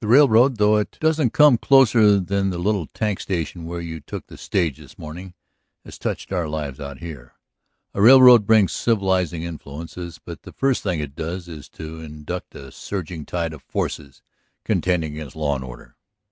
The railroad, though it doesn't come closer than the little tank station where you took the stage this morning, has touched our lives out here. A railroad brings civilizing influences; but the first thing it does is to induct a surging tide of forces contending against law and order.